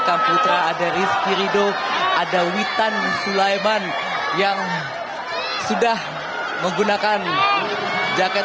lalu diikuti oleh manajer timnas kombes sumarji